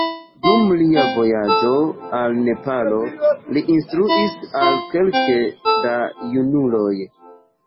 Dum lia vojaĝo al Nepalo, li instruis al kelke da junuloj.